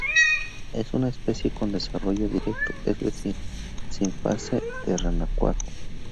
Es una especie con desarrollo directo, es decir, sin fase de renacuajo.